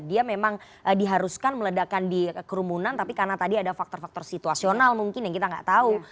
dia memang diharuskan meledakan di kerumunan tapi karena tadi ada faktor faktor situasional mungkin yang kita nggak tahu